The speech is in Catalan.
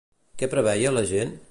Què preveia la gent?